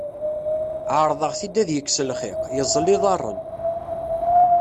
Σerḍeɣ-t-id ad yekkes lxiq, yeẓẓel iḍarren.